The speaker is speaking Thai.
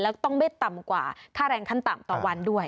แล้วก็ต้องไม่ต่ำกว่าค่าแรงขั้นต่ำต่อวันด้วย